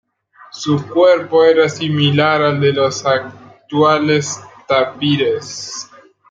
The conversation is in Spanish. Su cuerpo era similar al de los actuales tapires.